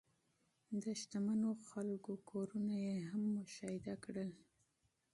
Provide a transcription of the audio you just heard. د شتمنو خلکو کورونه یې هم مشاهده کړل.